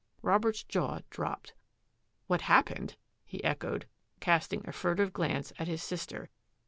Robert's jaw dropped. "What happened?" he echoed, casting a furtive glance at his sister.